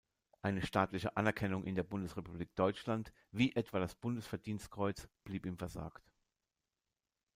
Eine staatliche Anerkennung in der Bundesrepublik Deutschland wie etwa das Bundesverdienstkreuz blieb ihm versagt.